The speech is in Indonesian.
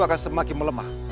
akan semakin melemah